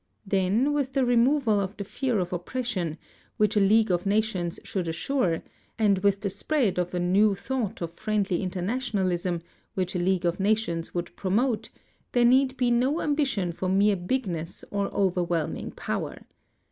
Then with the removal of the fear of oppression, which a League of Nations should assure, and with the spread of the new thought of friendly internationalism, which a League of Nations would promote, there need be no ambition for mere bigness or overwhelming power.